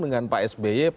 dengan pak sby